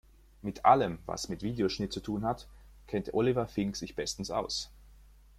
Mit allem, was mit Videoschnitt zu tun hat, kennt Oliver Fink sich bestens aus.